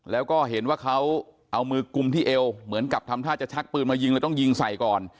แล้วก็เห็นว่าเขาเอามือกุมที่เอวเหมือนกับทำท่าจะชักปืนมายิงเลยต้องยิงใส่ก่อน